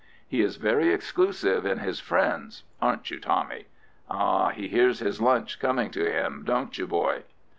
He is very exclusive in his friends—aren't you, Tommy? Ah, he hears his lunch coming to him! Don't you, boy?"